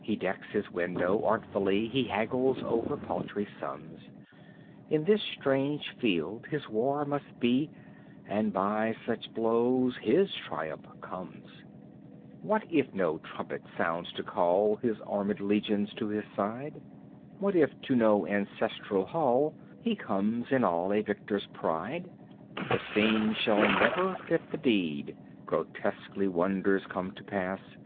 He decks his window artfully, He haggles over paltry sums. In this strange field his war must be And by such blows his triumph comes. What if no trumpet sounds to call His armed legions to his side? What if, to no ancestral hall He comes in all a victor's pride? The scene shall never fit the deed. Grotesquely wonders come to pass.